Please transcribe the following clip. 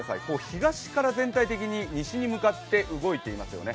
東から全体に西に向かっていますよね。